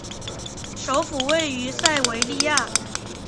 首府位于塞维利亚。